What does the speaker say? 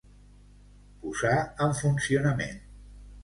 Posar en funcionament.